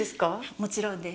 もちろんです。